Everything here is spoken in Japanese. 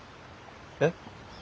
えっ？